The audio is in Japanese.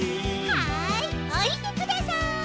はいおりてください。